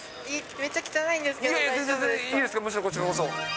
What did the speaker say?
めっちゃ汚いんですけど、いえいえ、むしろこちらこそ。